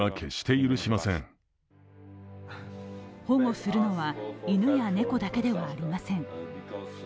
保護するのは犬や猫だけではありません。